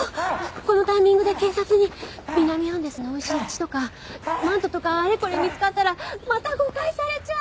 このタイミングで警察に南アンデスのおいしい血とかマントとかあれこれ見つかったらまた誤解されちゃう！